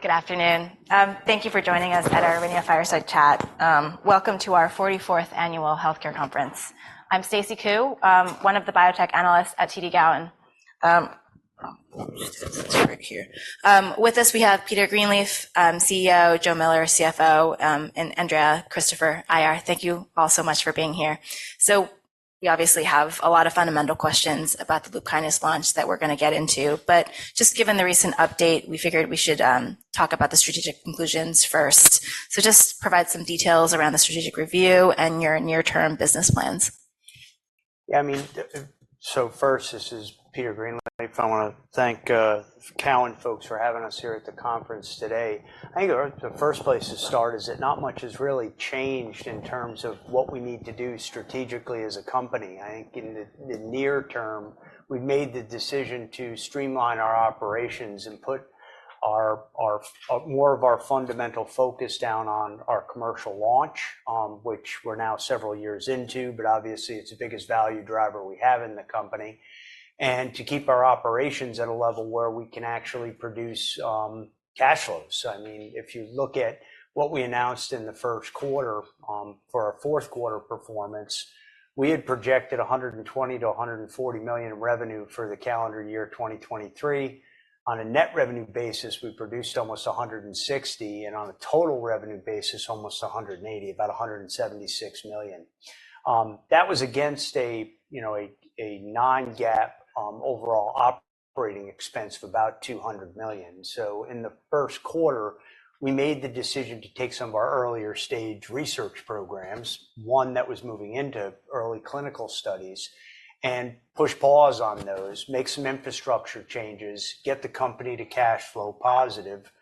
Good afternoon. Thank you for joining us at our Aurinia Fireside Chat. Welcome to our 44th annual healthcare conference. I'm Stacy Ku, one of the biotech analysts at TD Cowen. Let's see if that's right here. With us we have Peter Greenleaf, CEO, Joe Miller, CFO, and Andrea Christopher, IR. Thank you all so much for being here. So we obviously have a lot of fundamental questions about the LUPKYNIS launch that we're gonna get into, but just given the recent update, we figured we should talk about the strategic conclusions first. So just provide some details around the strategic review and your near-term business plans. Yeah, I mean, so first, this is Peter Greenleaf. I wanna thank TD Cowen folks for having us here at the conference today. I think the first place to start is that not much has really changed in terms of what we need to do strategically as a company. I think in the near term, we've made the decision to streamline our operations and put our more of our fundamental focus down on our commercial launch, which we're now several years into, but obviously it's the biggest value driver we have in the company. And to keep our operations at a level where we can actually produce cash flows. I mean, if you look at what we announced in the first quarter for our fourth quarter performance, we had projected $120-$140 million in revenue for the calendar year 2023. On a net revenue basis, we produced almost $160 million, and on a total revenue basis, almost $180 million, about $176 million. That was against a, you know, a, a non-GAAP, overall operating expense of about $200 million. So in the first quarter, we made the decision to take some of our earlier stage research programs, one that was moving into early clinical studies, and push pause on those, make some infrastructure changes, get the company to cash flow positive,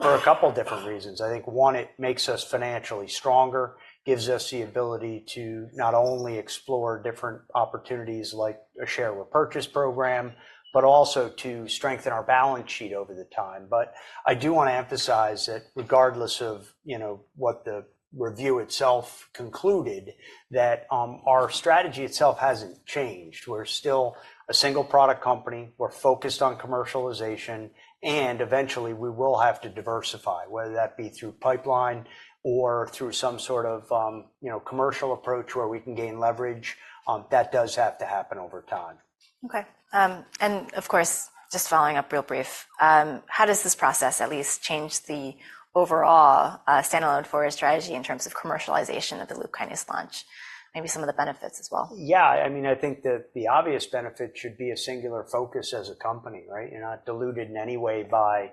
for a couple different reasons. I think, one, it makes us financially stronger, gives us the ability to not only explore different opportunities like a share repurchase program, but also to strengthen our balance sheet over the time. But I do wanna emphasize that regardless of, you know, what the review itself concluded, that, our strategy itself hasn't changed. We're still a single product company. We're focused on commercialization, and eventually we will have to diversify, whether that be through pipeline or through some sort of, you know, commercial approach where we can gain leverage. That does have to happen over time. Okay. And of course, just following up real brief, how does this process at least change the overall, standalone go-forward strategy in terms of commercialization of the LUPKYNIS launch? Maybe some of the benefits as well. Yeah, I mean, I think that the obvious benefit should be a singular focus as a company, right? You're not diluted in any way by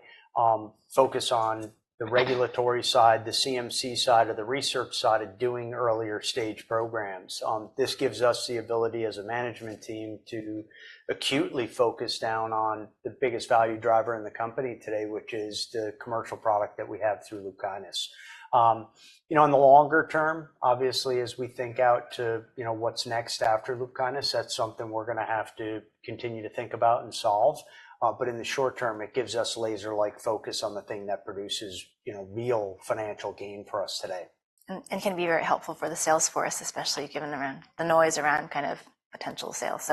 focus on the regulatory side, the CMC side, or the research side of doing earlier stage programs. This gives us the ability as a management team to acutely focus down on the biggest value driver in the company today, which is the commercial product that we have through LUPKYNIS. You know, in the longer term, obviously, as we think out to, you know, what's next after LUPKYNIS, that's something we're gonna have to continue to think about and solve. But in the short term, it gives us laser-like focus on the thing that produces, you know, real financial gain for us today. And can be very helpful for the sales force, especially given around the noise around kind of potential sales.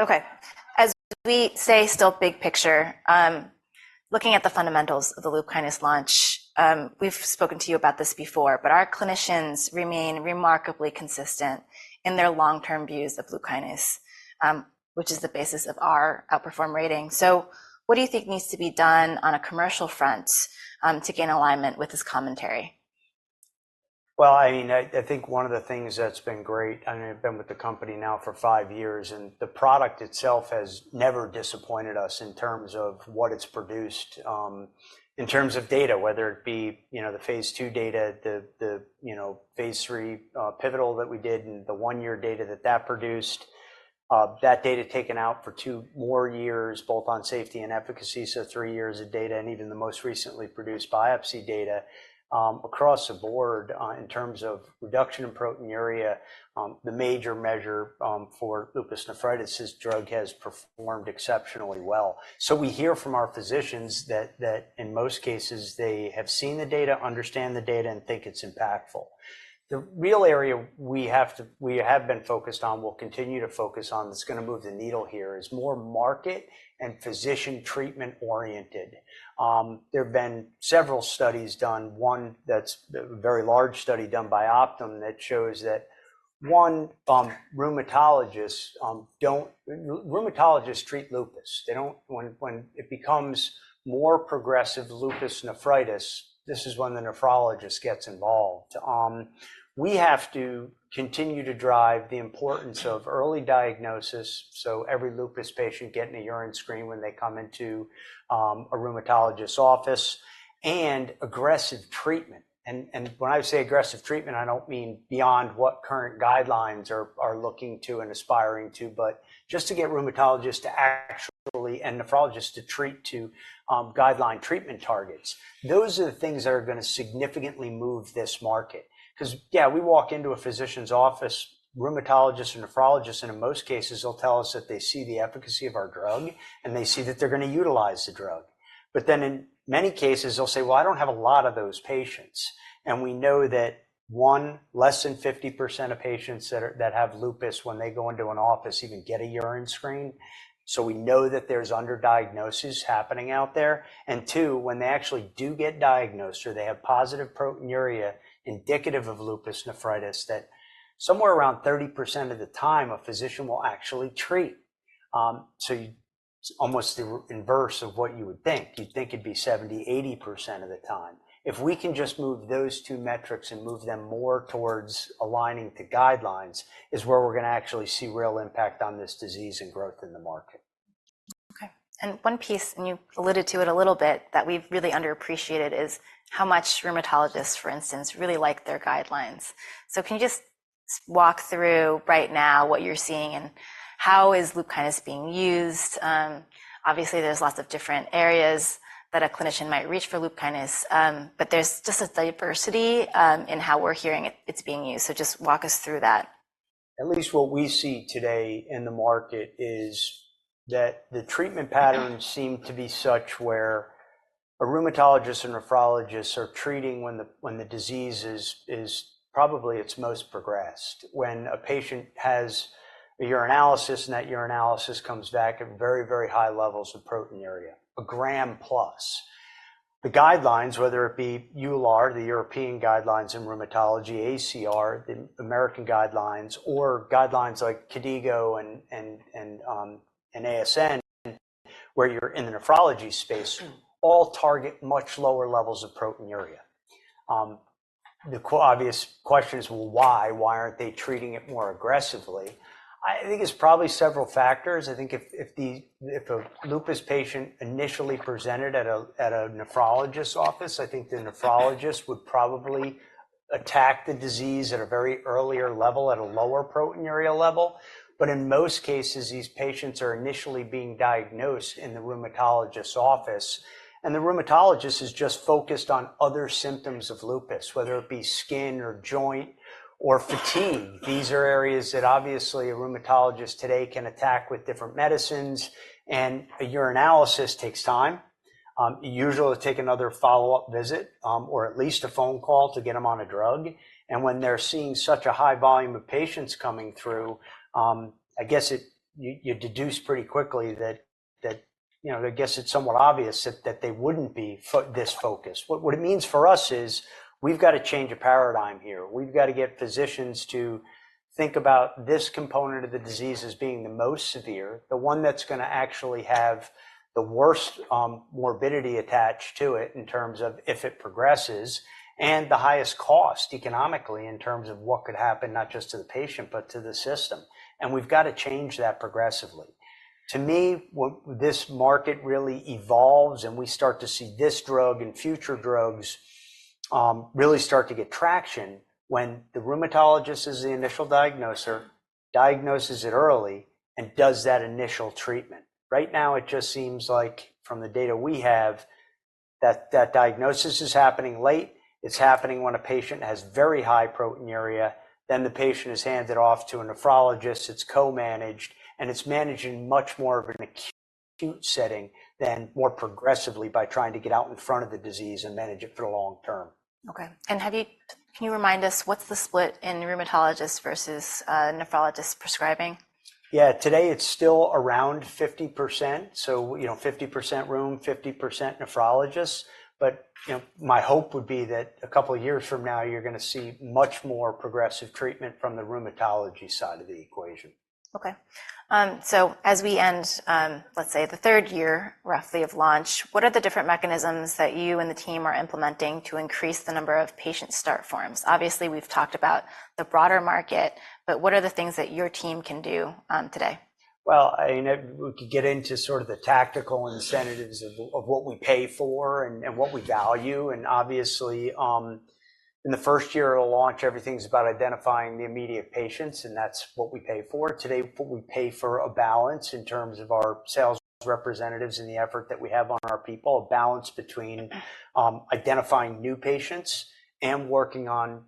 Okay. As we say, still big picture, looking at the fundamentals of the LUPKYNIS launch, we've spoken to you about this before, but our clinicians remain remarkably consistent in their long-term views of LUPKYNIS, which is the basis of our outperform rating. So what do you think needs to be done on a commercial front, to gain alignment with this commentary? Well, I mean, I think one of the things that's been great I mean, I've been with the company now for 5 years, and the product itself has never disappointed us in terms of what it's produced, in terms of data, whether it be, you know, the phase 2 data, the, you know, phase 3, pivotal that we did, and the 1-year data that that produced. That data taken out for 2 more years, both on safety and efficacy, so 3 years of data, and even the most recently produced biopsy data, across the board, in terms of reduction in proteinuria, the major measure, for lupus nephritis, this drug has performed exceptionally well. So we hear from our physicians that, that in most cases, they have seen the data, understand the data, and think it's impactful. The real area we have been focused on, we'll continue to focus on, that's gonna move the needle here, is more market and physician treatment oriented. There've been several studies done, one that's a very large study done by Optum that shows that one, rheumatologists don't treat lupus. They don't when it becomes more progressive lupus nephritis, this is when the nephrologist gets involved. We have to continue to drive the importance of early diagnosis, so every lupus patient getting a urine screen when they come into a rheumatologist's office, and aggressive treatment. And when I say aggressive treatment, I don't mean beyond what current guidelines are looking to and aspiring to, but just to get rheumatologists to actually and nephrologists to treat to guideline treatment targets. Those are the things that are gonna significantly move this market. 'Cause, yeah, we walk into a physician's office, rheumatologists and nephrologists, and in most cases, they'll tell us that they see the efficacy of our drug, and they see that they're gonna utilize the drug. But then in many cases, they'll say, "Well, I don't have a lot of those patients." And we know that, one, less than 50% of patients that have lupus, when they go into an office, even get a urine screen. So we know that there's underdiagnosis happening out there. And two, when they actually do get diagnosed or they have positive proteinuria indicative of lupus nephritis, that somewhere around 30% of the time, a physician will actually treat. So it's almost the inverse of what you would think. You'd think it'd be 70%-80% of the time. If we can just move those two metrics and move them more towards aligning to guidelines is where we're gonna actually see real impact on this disease and growth in the market. Okay. And one piece, and you alluded to it a little bit, that we've really underappreciated is how much rheumatologists, for instance, really like their guidelines. So can you just walk through right now what you're seeing and how LUPKYNIS is being used? Obviously, there's lots of different areas that a clinician might reach for LUPKYNIS, but there's just a diversity in how we're hearing it; it's being used. So just walk us through that. At least what we see today in the market is that the treatment patterns seem to be such where a rheumatologist and nephrologist are treating when the disease is probably its most progressed, when a patient has a urinalysis and that urinalysis comes back at very, very high levels of proteinuria, 1 gram plus. The guidelines, whether it be EULAR, the European Guidelines in Rheumatology, ACR, the American Guidelines, or guidelines like KDIGO and ASN, where you're in the nephrology space, all target much lower levels of proteinuria. The quite obvious question is, well, why? Why aren't they treating it more aggressively? I think it's probably several factors. I think if a lupus patient initially presented at a nephrologist's office, I think the nephrologist would probably attack the disease at a very early level at a lower proteinuria level. But in most cases, these patients are initially being diagnosed in the rheumatologist's office, and the rheumatologist is just focused on other symptoms of lupus, whether it be skin or joint or fatigue. These are areas that obviously a rheumatologist today can attack with different medicines, and a urinalysis takes time. Usually it'll take another follow-up visit, or at least a phone call to get them on a drug. And when they're seeing such a high volume of patients coming through, you deduce pretty quickly that, you know, I guess it's somewhat obvious that they wouldn't be so focused. What it means for us is we've gotta change a paradigm here. We've gotta get physicians to think about this component of the disease as being the most severe, the one that's gonna actually have the worst morbidity attached to it in terms of if it progresses, and the highest cost economically in terms of what could happen, not just to the patient but to the system. And we've gotta change that progressively. To me, what this market really evolves and we start to see this drug and future drugs really start to get traction when the rheumatologist is the initial diagnoser, diagnoses it early, and does that initial treatment. Right now, it just seems like from the data we have, that diagnosis is happening late. It's happening when a patient has very high proteinuria. Then the patient is handed off to a nephrologist. It's co-managed, and it's managed in much more of an acute setting than more progressively by trying to get out in front of the disease and manage it for the long term. Okay. And can you remind us what's the split in rheumatologist versus nephrologist prescribing? Yeah, today it's still around 50%. So, you know, 50% rheum, 50% nephrologist. But, you know, my hope would be that a couple of years from now, you're gonna see much more progressive treatment from the rheumatology side of the equation. Okay. So as we end, let's say the third year roughly of launch, what are the different mechanisms that you and the team are implementing to increase the number of patient start forms? Obviously, we've talked about the broader market, but what are the things that your team can do, today? Well, I mean, if we could get into sort of the tactical incentives of what we pay for and what we value. And obviously, in the first year of a launch, everything's about identifying the immediate patients, and that's what we pay for. Today, what we pay for a balance in terms of our sales representatives and the effort that we have on our people, a balance between identifying new patients and working on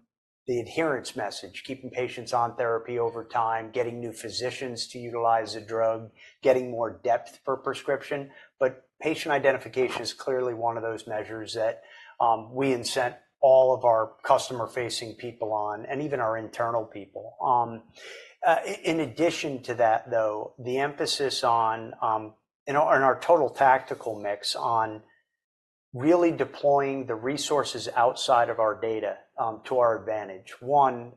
the adherence message, keeping patients on therapy over time, getting new physicians to utilize a drug, getting more depth per prescription. But patient identification is clearly one of those measures that we incent all of our customer-facing people on and even our internal people. In addition to that, though, the emphasis on in our total tactical mix on really deploying the resources outside of our data to our advantage. One,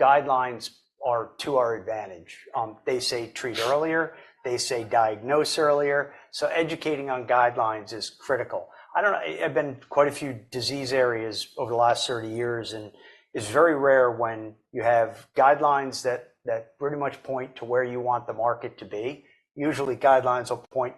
guidelines are to our advantage. They say treat earlier. They say diagnose earlier. So educating on guidelines is critical. I don't know. I-I've been quite a few disease areas over the last 30 years, and it's very rare when you have guidelines that, that pretty much point to where you want the market to be. Usually, guidelines will point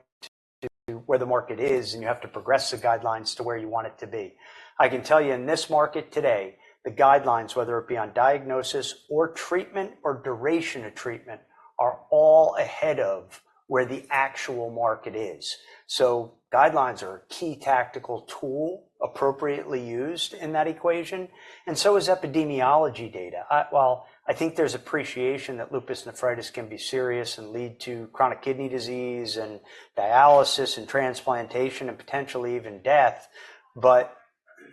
to where the market is, and you have to progress the guidelines to where you want it to be. I can tell you in this market today, the guidelines, whether it be on diagnosis or treatment or duration of treatment, are all ahead of where the actual market is. So guidelines are a key tactical tool appropriately used in that equation. And so is epidemiology data. Well, I think there's appreciation that lupus nephritis can be serious and lead to chronic kidney disease and dialysis and transplantation and potentially even death, but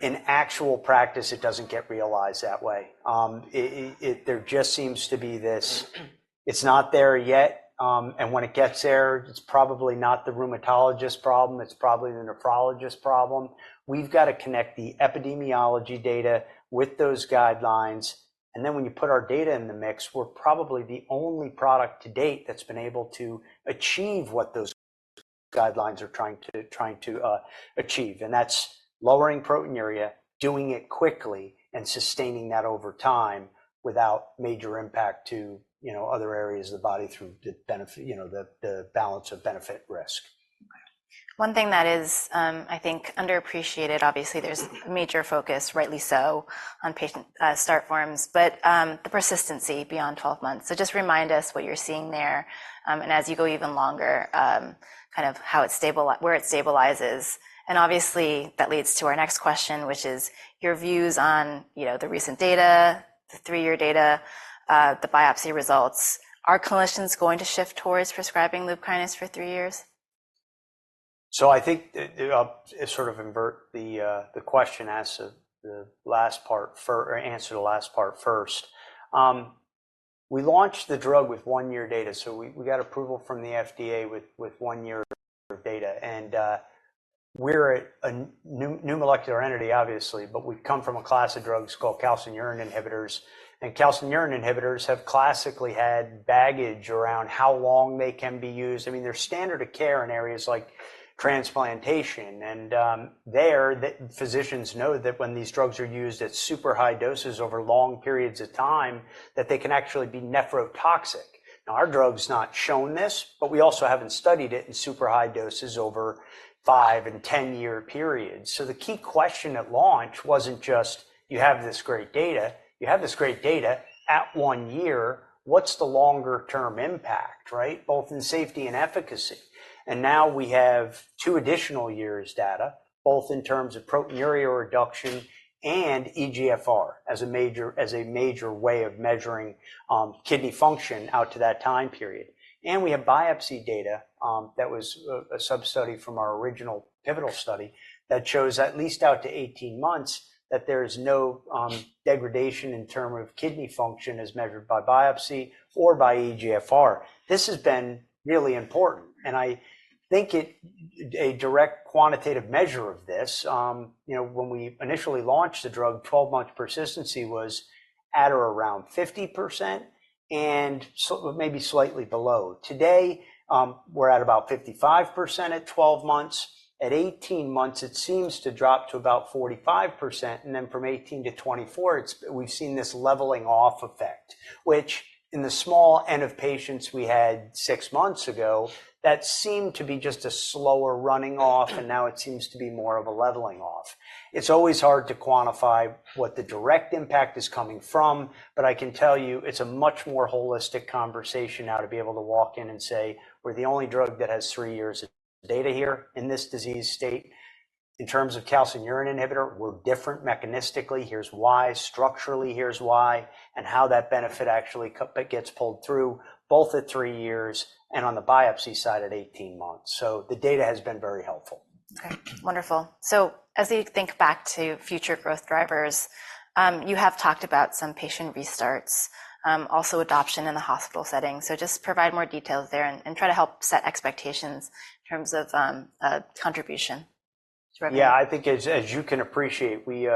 in actual practice, it doesn't get realized that way. There just seems to be this. It's not there yet. And when it gets there, it's probably not the rheumatologist's problem. It's probably the nephrologist's problem. We've gotta connect the epidemiology data with those guidelines. And then when you put our data in the mix, we're probably the only product to date that's been able to achieve what those guidelines are trying to achieve. And that's lowering proteinuria, doing it quickly, and sustaining that over time without major impact to, you know, other areas of the body through the benefit, you know, the balance of benefit-risk. Okay. One thing that is, I think, underappreciated. Obviously, there's a major focus, rightly so, on patient start forms, but the persistency beyond 12 months. So just remind us what you're seeing there, and as you go even longer, kind of how it stabilize where it stabilizes. And obviously, that leads to our next question, which is your views on, you know, the recent data, the 3-year data, the biopsy results. Are clinicians going to shift towards prescribing LUPKYNIS for 3 years? So I think I'll sort of invert the question as to the last part or answer the last part first. We launched the drug with one-year data, so we got approval from the FDA with one-year data. And we're a new molecular entity, obviously, but we've come from a class of drugs called calcineurin inhibitors. And calcineurin inhibitors have classically had baggage around how long they can be used. I mean, they're standard of care in areas like transplantation. And there, the physicians know that when these drugs are used at super high doses over long periods of time, that they can actually be nephrotoxic. Now, our drug's not shown this, but we also haven't studied it in super high doses over 5- and 10-year periods. So the key question at launch wasn't just, "You have this great data. You have this great data. At one year, what's the longer-term impact," right, both in safety and efficacy? Now we have two additional years' data, both in terms of proteinuria reduction and eGFR as a major as a major way of measuring kidney function out to that time period. We have biopsy data that was a sub-study from our original pivotal study that shows at least out to 18 months that there is no degradation in terms of kidney function as measured by biopsy or by eGFR. This has been really important. I think it a direct quantitative measure of this, you know, when we initially launched the drug, 12-month persistency was at or around 50% and so maybe slightly below. Today, we're at about 55% at 12 months. At 18 months, it seems to drop to about 45%. And then from 18-24, it's we've seen this leveling-off effect, which in the small end of patients we had six months ago, that seemed to be just a slower running-off, and now it seems to be more of a leveling-off. It's always hard to quantify what the direct impact is coming from, but I can tell you it's a much more holistic conversation now to be able to walk in and say, "We're the only drug that has 3 years of data here in this disease state. In terms of calcineurin inhibitor, we're different mechanistically. Here's why. Structurally, here's why," and how that benefit actually gets pulled through both at 3 years and on the biopsy side at 18 months. So the data has been very helpful. Okay. Wonderful. So as you think back to future growth drivers, you have talked about some patient restarts, also adoption in the hospital setting. So just provide more details there and, and try to help set expectations in terms of contribution to recovery. Yeah, I think as you can appreciate, we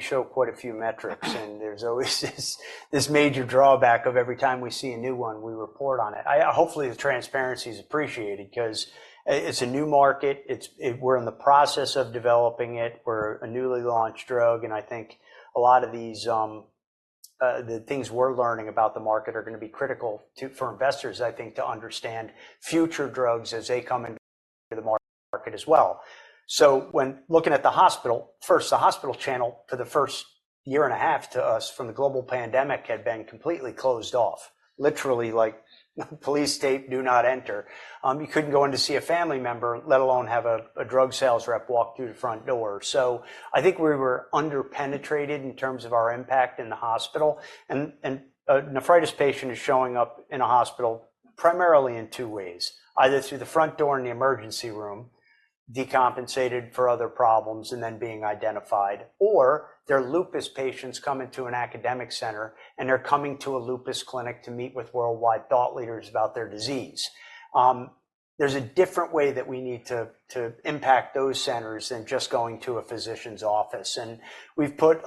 show quite a few metrics, and there's always this major drawback of every time we see a new one, we report on it. I hopefully the transparency's appreciated 'cause it's a new market. We're in the process of developing it. We're a newly launched drug. And I think a lot of these things we're learning about the market are gonna be critical for investors, I think, to understand future drugs as they come into the market as well. So when looking at the hospital first, the hospital channel for the first year and a half to us from the global pandemic had been completely closed off, literally like police tape, do not enter. You couldn't go in to see a family member, let alone have a drug sales rep walk through the front door. So I think we were underpenetrated in terms of our impact in the hospital. And a nephritis patient is showing up in a hospital primarily in two ways, either through the front door in the emergency room, decompensated for other problems, and then being identified, or they're lupus patients coming to an academic center, and they're coming to a lupus clinic to meet with worldwide thought leaders about their disease. There's a different way that we need to impact those centers than just going to a physician's office. And we've put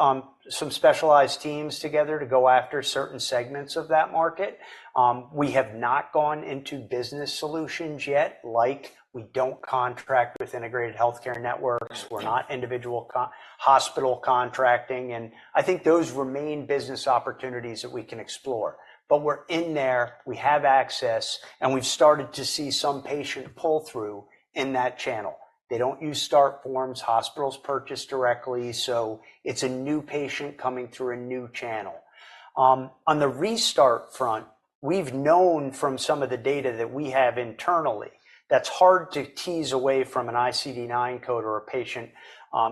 some specialized teams together to go after certain segments of that market. We have not gone into business solutions yet, like we don't contract with integrated healthcare networks. We're not individual contract hospital contracting. And I think those remain business opportunities that we can explore. But we're in there. We have access. We've started to see some patient pull through in that channel. They don't use start forms. Hospitals purchase directly, so it's a new patient coming through a new channel. On the restart front, we've known from some of the data that we have internally that's hard to tease away from an ICD-9 code or a patient,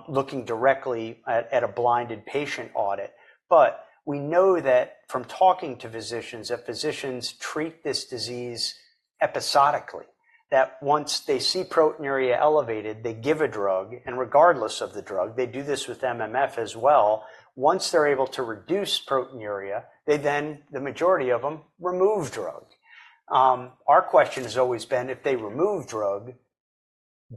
looking directly at, at a blinded patient audit. But we know that from talking to physicians, that physicians treat this disease episodically, that once they see proteinuria elevated, they give a drug. And regardless of the drug, they do this with MMF as well. Once they're able to reduce proteinuria, they then the majority of them remove drug. Our question has always been, if they remove drug,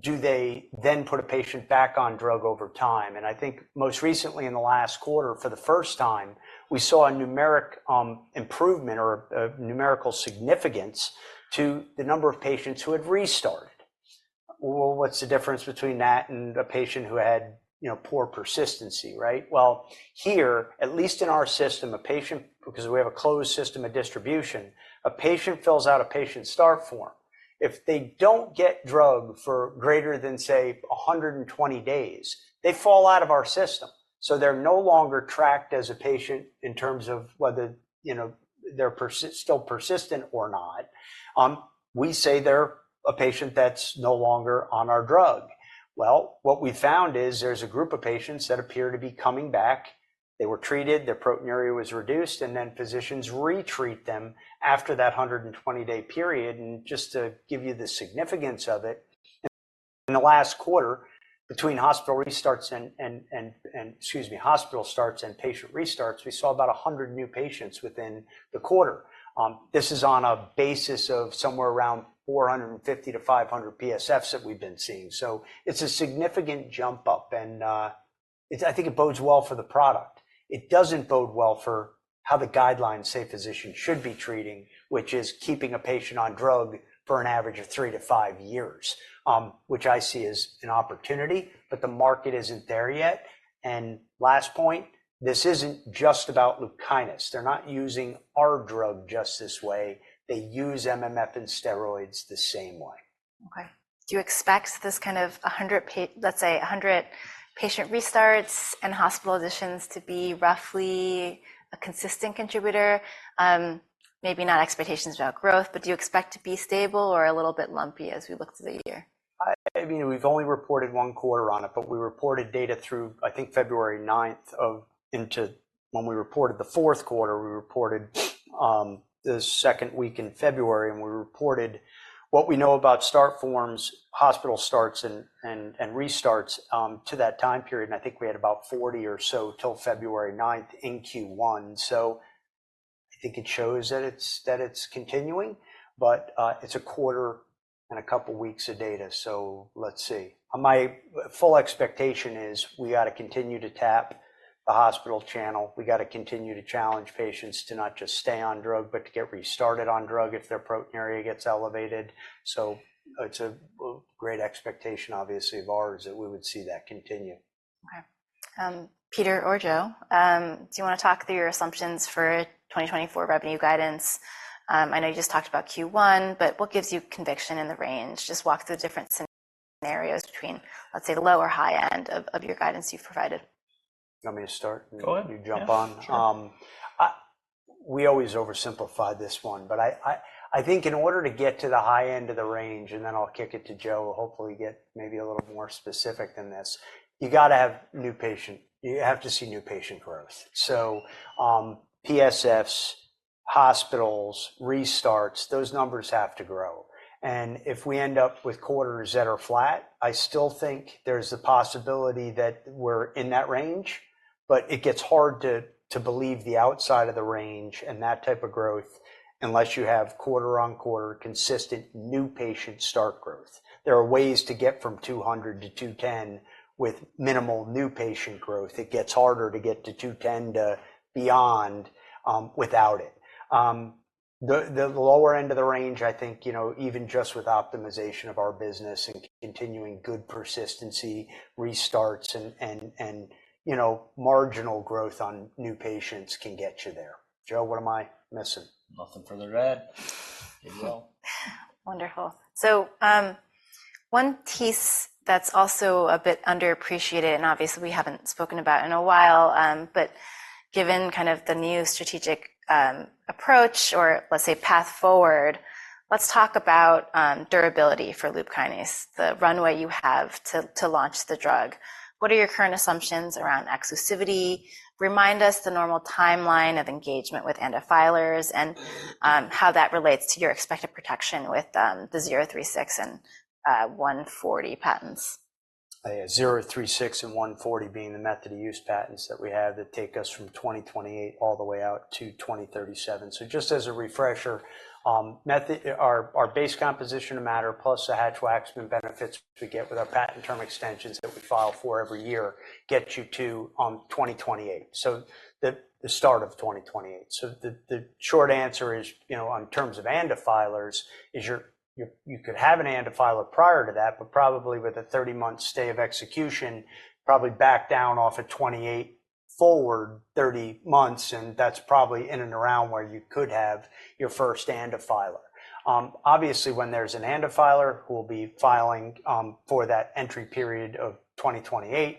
do they then put a patient back on drug over time? And I think most recently, in the last quarter, for the first time, we saw a numeric improvement or a numerical significance to the number of patients who had restarted. Well, what's the difference between that and a patient who had, you know, poor persistency, right? Well, here, at least in our system, a patient because we have a closed system of distribution, a patient fills out a patient start form. If they don't get drug for greater than, say, 120 days, they fall out of our system. So they're no longer tracked as a patient in terms of whether, you know, they're still persistent or not. We say they're a patient that's no longer on our drug. Well, what we found is there's a group of patients that appear to be coming back. They were treated. Their proteinuria was reduced. Then physicians retreat them after that 120-day period. Just to give you the significance of it, in the last quarter, between hospital restarts and excuse me, hospital starts and patient restarts, we saw about 100 new patients within the quarter. This is on a basis of somewhere around 450-500 PSFs that we've been seeing. So it's a significant jump-up. And it's I think it bodes well for the product. It doesn't bode well for how the guidelines say physicians should be treating, which is keeping a patient on drug for an average of 3-5 years, which I see as an opportunity, but the market isn't there yet. Last point, this isn't just about LUPKYNIS. They're not using our drug just this way. They use MMF and steroids the same way. Okay. Do you expect this kind of 100 pa, let's say 100 patient restarts and hospital additions to be roughly a consistent contributor? Maybe not expectations about growth, but do you expect to be stable or a little bit lumpy as we look through the year? I mean, we've only reported one quarter on it, but we reported data through, I think, February 9th of into when we reported the fourth quarter, we reported the second week in February. And we reported what we know about start forms, hospital starts, and restarts, to that time period. And I think we had about 40 or so till February 9th in Q1. So I think it shows that it's continuing. But it's a quarter and a couple weeks of data. So let's see. My full expectation is we gotta continue to tap the hospital channel. We gotta continue to challenge patients to not just stay on drug but to get restarted on drug if their proteinuria gets elevated. So it's a great expectation, obviously, of ours that we would see that continue. Okay. Peter or Joe, do you wanna talk through your assumptions for 2024 revenue guidance? I know you just talked about Q1, but what gives you conviction in the range? Just walk through the different scenarios between, let's say, the low or high end of your guidance you've provided. You want me to start, and you jump on? Go ahead. Sure. We always oversimplify this one, but I think in order to get to the high end of the range and then I'll kick it to Joe who'll hopefully get maybe a little more specific than this, you gotta have new patient; you have to see new patient growth. So, PSFs, hospitals, restarts, those numbers have to grow. If we end up with quarters that are flat, I still think there's the possibility that we're in that range, but it gets hard to believe the outside of the range and that type of growth unless you have quarter-on-quarter consistent new patient start growth. There are ways to get from 200 to 210 with minimal new patient growth. It gets harder to get to 210 to beyond, without it. the lower end of the range, I think, you know, even just with optimization of our business and continuing good persistency, restarts, and, you know, marginal growth on new patients can get you there. Joe, what am I missing? Nothing further to add. Good job. Wonderful. So, one piece that's also a bit underappreciated and obviously, we haven't spoken about in a while, but given kind of the new strategic, approach or, let's say, path forward, let's talk about, durability for LUPKYNIS, the runway you have to, to launch the drug. What are your current assumptions around exclusivity? Remind us the normal timeline of engagement with ANDA filers and, how that relates to your expected protection with, the 036 and, 140 patents. Yeah, 036 and 140 being the method of use patents that we have that take us from 2028 all the way out to 2037. So just as a refresher, method our, our base composition of matter plus the Hatch-Waxman benefits we get with our patent term extensions that we file for every year get you to 2028, so the, the start of 2028. So the, the short answer is, you know, in terms of ANDA filers, is you're, you're you could have an ANDA filer prior to that, but probably with a 30-month stay of execution, probably back down off of 28 forward 30 months. And that's probably in and around where you could have your first ANDA filer. Obviously, when there's an ANDA filer who will be filing for that entry period of 2028,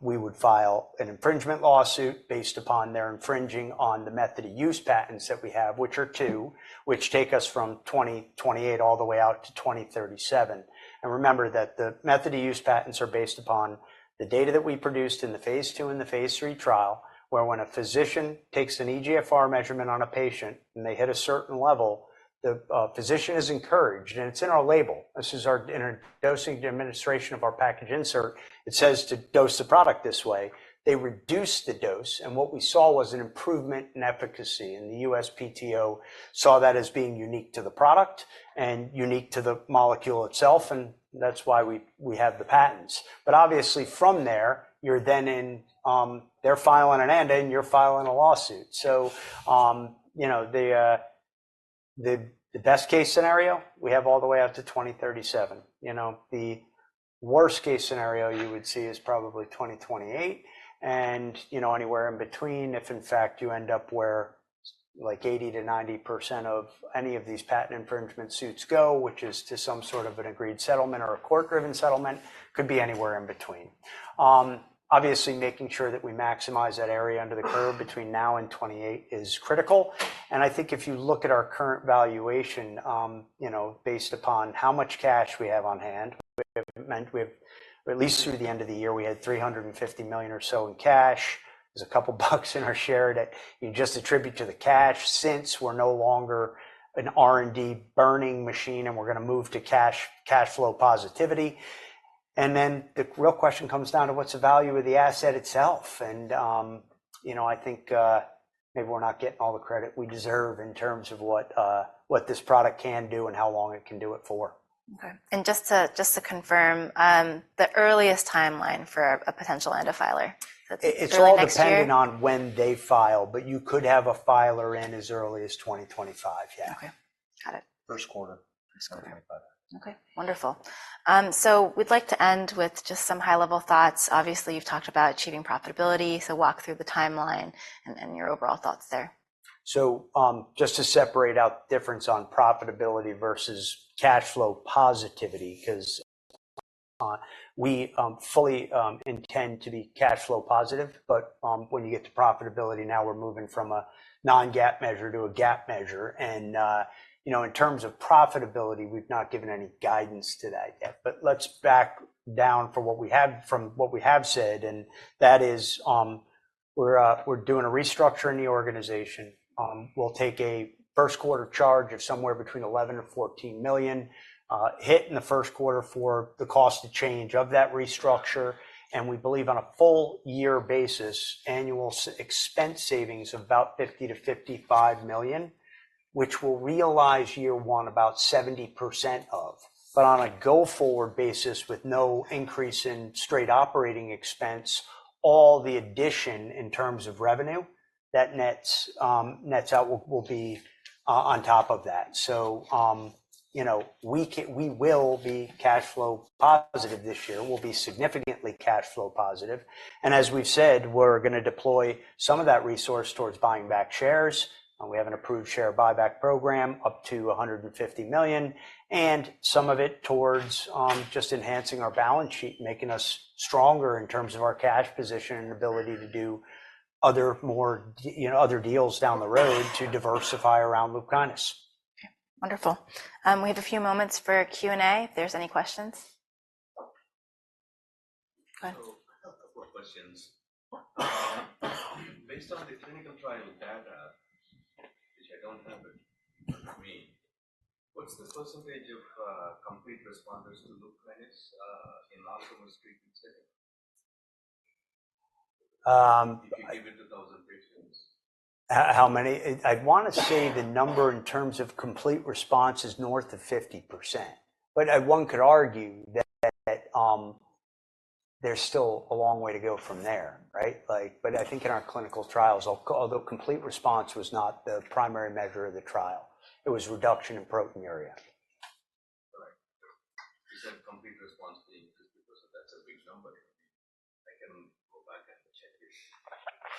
we would file an infringement lawsuit based upon their infringing on the method of use patents that we have, which are two, which take us from 2028 all the way out to 2037. And remember that the method of use patents are based upon the data that we produced in the phase 2 and the phase 3 trial, where when a physician takes an eGFR measurement on a patient and they hit a certain level, the physician is encouraged. And it's in our label. This is in our dosing administration of our package insert. It says to dose the product this way. They reduce the dose. And what we saw was an improvement in efficacy. And the USPTO saw that as being unique to the product and unique to the molecule itself. That's why we have the patents. But obviously, from there, you're then in, they're filing an ANDA, and you're filing a lawsuit. So, you know, the best-case scenario, we have all the way out to 2037. You know, the worst-case scenario you would see is probably 2028. And, you know, anywhere in between, if in fact you end up where like 80%-90% of any of these patent infringement suits go, which is to some sort of an agreed settlement or a court-driven settlement, could be anywhere in between. Obviously, making sure that we maximize that area under the curve between now and 2028 is critical. I think if you look at our current valuation, you know, based upon how much cash we have on hand, we mean we've at least through the end of the year, we had $350 million or so in cash. There's a couple bucks in our share that you just attribute to the cash since we're no longer an R&D burning machine, and we're gonna move to cash, cash flow positivity. And then the real question comes down to what's the value of the asset itself. And, you know, I think, maybe we're not getting all the credit we deserve in terms of what, what this product can do and how long it can do it for. Okay. And just to confirm, the earliest timeline for a potential ANDA filer, that's really like a deadline. It's all depending on when they file, but you could have a filer in as early as 2025, yeah. Okay. Got it. First quarter of 2025. Okay. Wonderful. So we'd like to end with just some high-level thoughts. Obviously, you've talked about achieving profitability. So walk through the timeline and, and your overall thoughts there. So, just to separate out the difference on profitability versus cash flow positivity 'cause we fully intend to be cash flow positive. But when you get to profitability, now we're moving from a non-GAAP measure to a GAAP measure. And you know, in terms of profitability, we've not given any guidance to that yet. But let's back down for what we have from what we have said. And that is, we're doing a restructure in the organization. We'll take a first-quarter charge of somewhere between $11 million and $14 million, hit in the first quarter for the cost of change of that restructure. And we believe on a full-year basis, annual expense savings of about $50-$55 million, which we'll realize year one about 70% of. But on a go-forward basis with no increase in straight operating expense, all the addition in terms of revenue, that nets out will be on top of that. So, you know, we will be cash flow positive this year. We'll be significantly cash flow positive. And as we've said, we're gonna deploy some of that resource towards buying back shares. We have an approved share buyback program up to $150 million and some of it towards just enhancing our balance sheet, making us stronger in terms of our cash position and ability to do other, more, you know, other deals down the road to diversify around LUPKYNIS. Okay. Wonderful. We have a few moments for Q&A if there's any questions. Go ahead. So a couple questions. Based on the clinical trial data, which I don't have it with me, what's the percentage of complete responders to LUPKYNIS, in all-comers treatment setting? If you give it to 1,000 patients. How many? I'd wanna say the number in terms of complete response is north of 50%. But one could argue that there's still a long way to go from there, right? Like, but I think in our clinical trials, although complete response was not the primary measure of the trial, it was reduction in proteinuria. Correct. You said complete response being 50%. That's a big number. I can go back and check it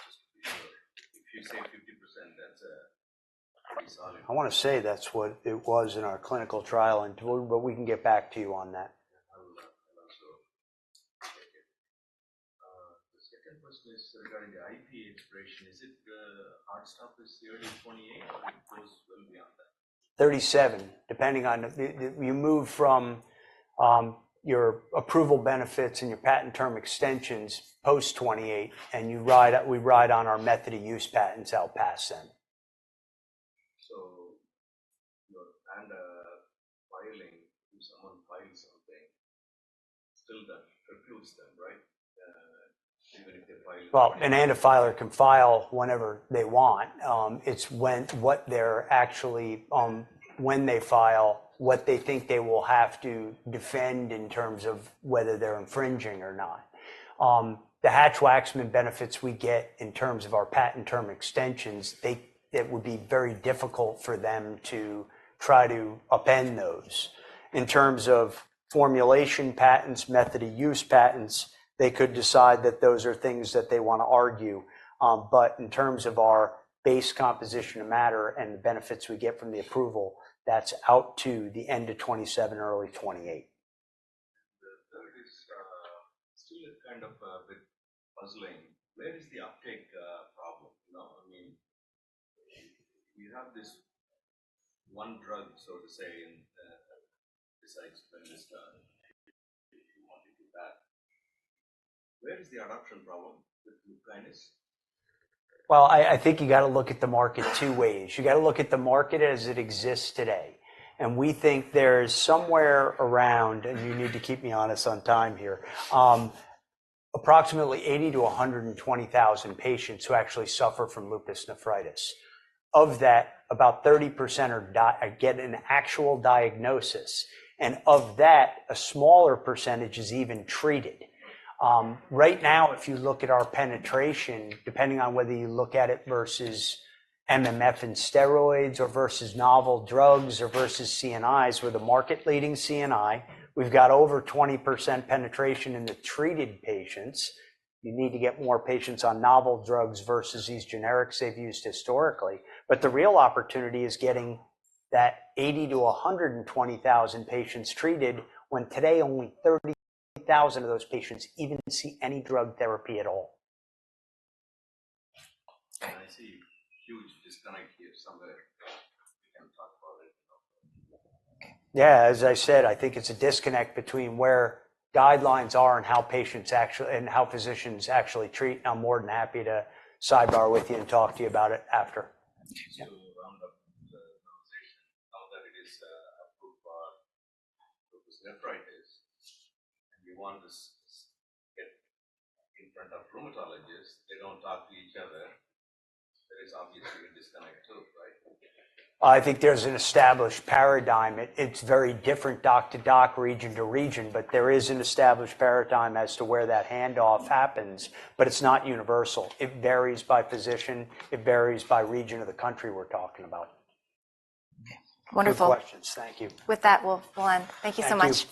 just to be sure. If you say 50%, that's a pretty solid. I wanna say that's what it was in our clinical trial. We can get back to you on that. Yeah. I will. I'll also check it. The second question is regarding the IP expiration. Is it, hard stop is the early 2028, or it goes well beyond that? 37, depending on the you move from your approval benefits and your patent term extensions post-28, and you ride, oh we ride on our method of use patents out past then. So your ANDA filing if someone files something, still that precludes them, right? Even if they file an application. Well, an ANDA filer can file whenever they want. It's when what they're actually, when they file, what they think they will have to defend in terms of whether they're infringing or not. The Hatch-Waxman benefits we get in terms of our patent term extensions, they it would be very difficult for them to try to upend those. In terms of formulation patents, method of use patents, they could decide that those are things that they wanna argue. But in terms of our base composition of matter and the benefits we get from the approval, that's out to the end of 2027, early 2028. The thing is, still kind of a bit puzzling. Where is the uptake problem? You know, I mean, we have this one drug, so to say, in, besides Benlysta, if you want to do that. Where is the adoption problem with LUPKYNIS? Well, I, I think you gotta look at the market two ways. You gotta look at the market as it exists today. And we think there's somewhere around and you need to keep me honest on time here, approximately 80,000-120,000 patients who actually suffer from lupus nephritis. Of that, about 30% are diagnosed. And of that, a smaller percentage is even treated. Right now, if you look at our penetration, depending on whether you look at it versus MMF and steroids or versus novel drugs or versus CNIs, we're the market-leading CNI. We've got over 20% penetration in the treated patients. You need to get more patients on novel drugs versus these generics they've used historically. But the real opportunity is getting that 80,000-120,000 patients treated when today, only 30,000 of those patients even see any drug therapy at all. Okay. I see a huge disconnect here. Somewhere, we can talk about it, you know. Yeah. As I said, I think it's a disconnect between where guidelines are and how patients actually and how physicians actually treat. And I'm more than happy to sidebar with you and talk to you about it after. To round up the conversation, now that it is approved for lupus nephritis, and you want us to get in front of rheumatologists, they don't talk to each other. There is obviously a disconnect too, right? Well, I think there's an established paradigm. I-it's very different doc to doc, region to region, but there is an established paradigm as to where that handoff happens. But it's not universal. It varies by physician. It varies by region of the country we're talking about. Okay. Wonderful. No questions. Thank you. With that, we'll end. Thank you so much.